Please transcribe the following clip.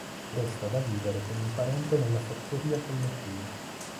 Resta da vivere con un parente nella fattoria collettiva.